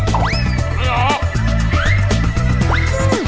ก็กินให้ไป